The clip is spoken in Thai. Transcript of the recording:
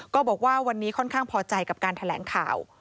ก็บอกว่าวันนี้ค่อนข้างพอใจกับการแถลงข่าว